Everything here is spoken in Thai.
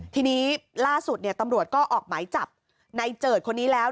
ทีนี้ล่าสุดตำรวจก็ออกหมายจับในเจิดคนนี้แล้ว